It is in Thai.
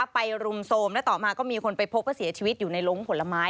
รุมโทรมและต่อมาก็มีคนไปพบว่าเสียชีวิตอยู่ในลงผลไม้